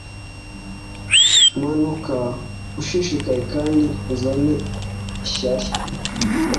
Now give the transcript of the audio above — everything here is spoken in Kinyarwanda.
manuka ushishikaye kandi uzane ishyari